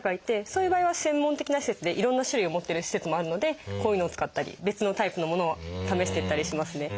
そういう場合は専門的な施設でいろんな種類を持ってる施設もあるのでこういうのを使ったり別のタイプのものを試していったりしますね。